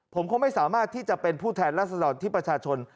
ผมคงไม่สามารถที่จะเป็นผู้แทนรัศดรที่ประชาชน